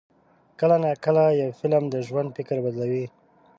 کله ناکله یو فلم د ژوند فکر بدلوي.